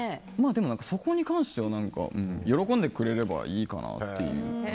でもそこに関しては喜んでくれればいいかなっていう。